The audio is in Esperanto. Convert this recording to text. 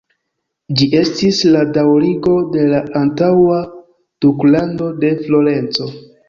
Ĝi estis la daŭrigo de la antaŭa Duklando de Florenco.